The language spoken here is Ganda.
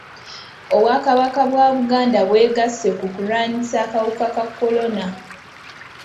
Obwakabaka bwa Buganda bwegasse ku kulwanyisa akawuka ka kolona.